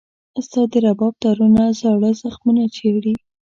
ستا د رباب تارونه زاړه زخمونه چېړي.